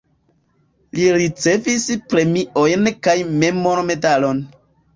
Li ricevis premion kaj memormedalon.